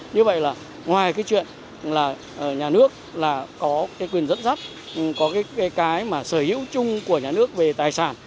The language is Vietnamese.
như vậy là ngoài cái chuyện là nhà nước là có cái quyền dẫn dắt có cái mà sở hữu chung của nhà nước về tài sản